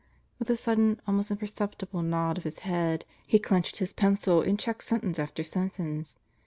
With a sudden, almost imperceptible nod of his head, he clenched his pencil and checked sentence after sen tence.